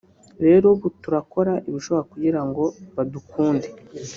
rero ubu turakora ibishoboka kugira ngo badukunde